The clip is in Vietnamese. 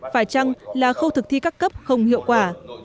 phải chăng là khâu thực thi các cấp không hiệu quả